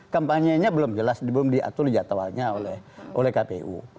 kampanyenya belum jelas belum diatur jadwalnya oleh kpu